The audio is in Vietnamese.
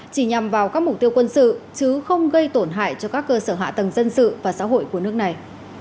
chỉ nhằm vào các mục tiêu quân sự chứ không gây tổn hại cho các cơ sở hạ tầng dân sự và xã hội của nước này